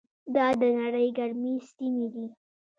دا د نړۍ ګرمې سیمې دي.